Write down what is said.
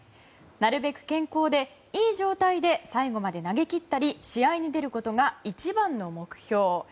なるべく健康で、いい状態で最後まで投げ切ったり試合に出ることが一番の目標。